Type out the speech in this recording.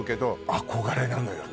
憧れなのよね。